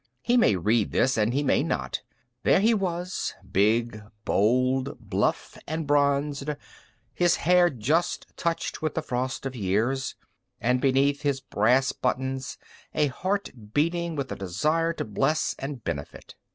He may read this, and he may not. There he was—big, bold, bluff and bronzed, his hair just touched with the frost of years, and beneath his brass buttons a heart beating with a desire to bless and benefit.